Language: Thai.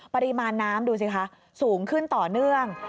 ปริมาณน้ำดูสิคะสูงขึ้นต่อเนื่อง